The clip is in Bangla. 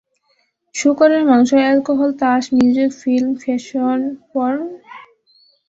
শুকরের মাংস, এলকোহল, তাস, মিউজিক, ফিল্ম, ফ্যাশন, পর্ন?